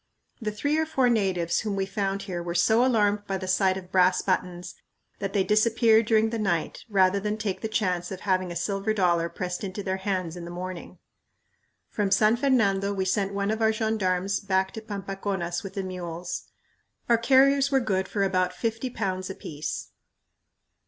The three or four natives whom we found here were so alarmed by the sight of brass buttons that they disappeared during the night rather than take the chance of having a silver dollar pressed into their hands in the morning! From San Fernando, we sent one of our gendarmes back to Pampaconas with the mules. Our carriers were good for about fifty pounds apiece.